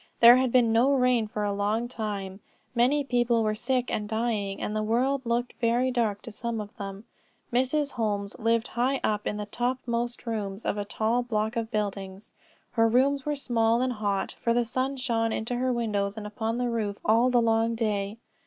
There had been no rain for a long time; many people were sick and dying, and the world looked very dark to some of them. Mrs. Holmes lived high up in the topmost rooms of a tall block of buildings. Her rooms were small and hot, for the sun shone into her windows and upon the roof all the long day.